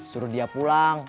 suruh dia pulang